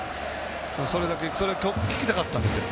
それ、聞きたかったんです。